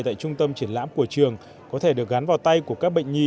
cơ bắp này tại trung tâm triển lãm của trường có thể được gắn vào tay của các bệnh nhi